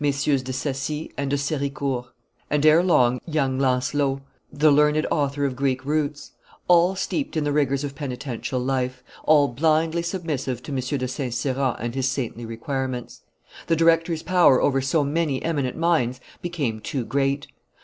de Sacy and de Sericourt, and, ere long, young Lancelot, the learned author of Greek roots: all steeped in the rigors of penitential life, all blindly submissive to M. de St. Cyran and his saintly requirements. The director's power over so many eminent minds became too great.